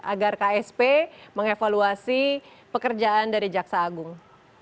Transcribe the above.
agar ksp mengevaluasi pekerjaan dari jaksa agung